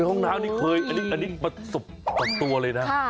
ห้องน้ำนี่เคยอันนี้ประสบตัวเลยนะ